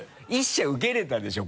１社受けれたでしょ